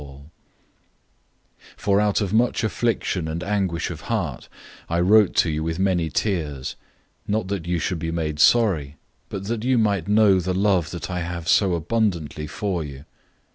002:004 For out of much affliction and anguish of heart I wrote to you with many tears, not that you should be made sorry, but that you might know the love that I have so abundantly for you.